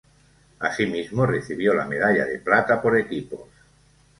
Asimismo, recibió la medalla de plata por equipos.